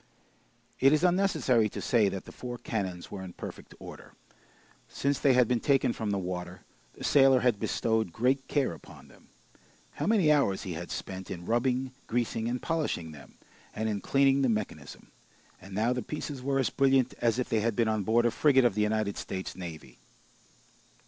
It is unnecessary to say that the four cannons were in perfect order. Since they had been taken from the water, the sailor had bestowed great care upon them. How many hours he had spent, in rubbing, greasing, and polishing them, and in cleaning the mechanism! And now the pieces were as brilliant as if they had been on board a frigate of the United States Navy.